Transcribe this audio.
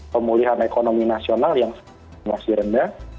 pemulihan ekonomi nasional yang masih rendah